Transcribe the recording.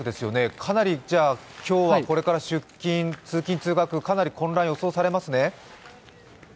かなり今日はこれから、出勤や通勤・通学、かなり混乱が予想されますね。